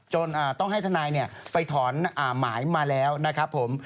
ต้องให้ทนายไปถอนหมายมาแล้วนะครับผม